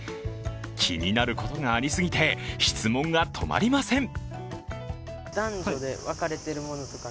気になることがありすぎて、質問が止まりません。